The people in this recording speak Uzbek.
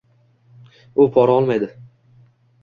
U pora olmaydi;